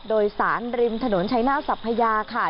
โดยสารริมถนนชัยหน้าสัพพยาค่ะ